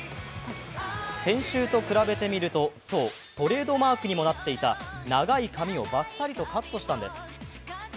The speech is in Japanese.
先週と比べてみると、そう、トレードマークにもなっていた長い髪をばっさりとカットしたんです。